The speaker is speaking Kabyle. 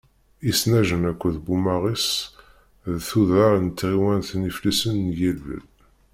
Isenajen akked Bumaɣis d tuddar n tɣiwant n Iflisen n yilel.